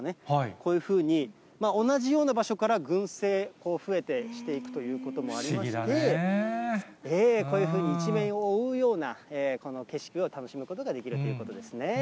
こういうふうに、同じような場所から群生、増えていくということもありまして、こういうふうに一面を覆うような、この景色を楽しむことができるということですね。